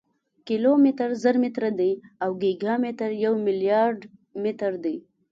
کیلومتر زر متره دی او ګیګا متر یو ملیارډ متره دی.